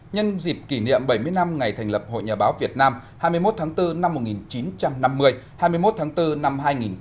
nhân dịp kỷ niệm bảy mươi năm ngày thành lập hội nhà báo việt nam hai mươi một tháng bốn năm một nghìn chín trăm năm mươi hai mươi một tháng bốn năm hai nghìn hai mươi